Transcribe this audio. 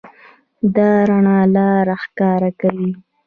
دا رڼا لاره ښکاره کوي.